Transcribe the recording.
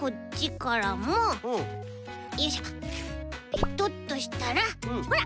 ペトッとしたらほら